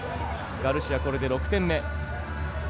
ガルシア、これで６点目。